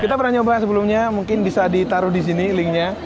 kita pernah nyoba sebelumnya mungkin bisa ditaruh di sini linknya